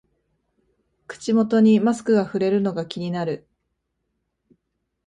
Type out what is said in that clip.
口元にマスクがふれるのが気になる